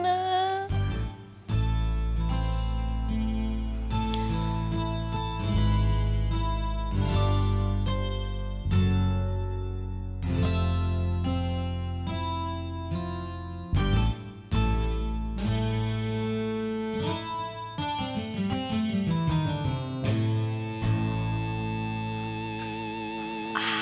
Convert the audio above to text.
nggak lah abah dimana